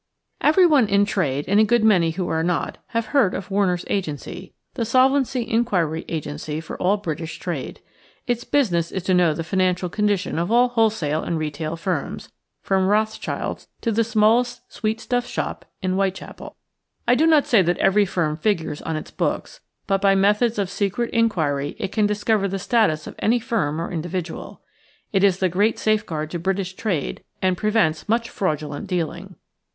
VERYONE in trade and a good many who are not have heard of Werner's Agency, the Solvency Inquiry Agency for all British trade. Its business is to know the financial condition of all wholesale and retail firms, from Rothschild's to the smallest sweetstuff shop in Whitechapel. I do not say that every firm figures on its books, but by methods of secret inquiry it can discover the status of any firm or individual. It is the great safeguard to British trade and prevents much fraudulent dealing.